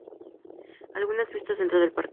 Algunas vistas dentro del parque